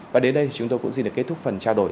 và đến đây chúng tôi cũng xin được kết thúc phần trao đổi